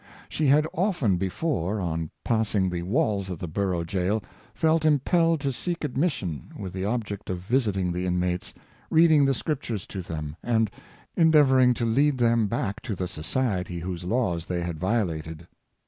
She had often before, on passing the walls of the borough jail, felt impelled to seek admission, with the object of visiting the inmates, reading the Scriptures to them, and endeavoring to lead them back to the society whose laws they had violated.